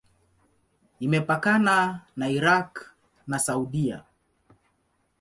Imepakana na Irak na Saudia.